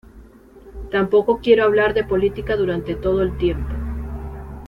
Tampoco quiero hablar de política durante todo el tiempo.